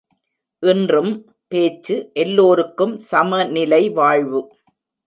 இன்றும் பேச்சு, எல்லோருக்கும் சமநிலை வாழ்வு.